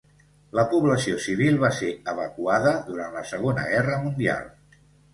La població civil va ser evacuada durant la Segona Guerra Mundial.